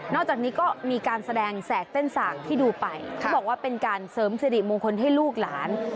อกจากนี้ก็มีการแสดงแสกเต้นสากที่ดูไปเขาบอกว่าเป็นการเสริมสิริมงคลให้ลูกหลาน